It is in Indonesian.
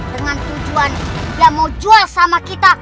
dengan tujuan yang mau jual sama kita